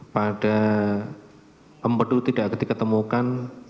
pada empedu tidak diketemukan